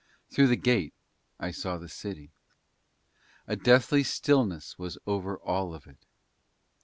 Through the gate I saw the city. A deathly stillness was over all of it.